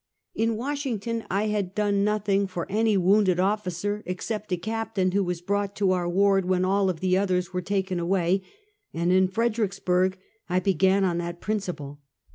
In "Washington, I had done nothing for any wounded officer, except a captain who was brought to our ward when all the others were taken away, and in Freder icksburg I began on that princij^le.